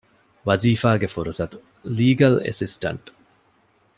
ވަޒިފާގެ ފުރުސަތު - ލީގަލް އެސިސްޓަންޓް